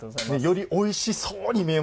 よりおいしそうに見えますよね。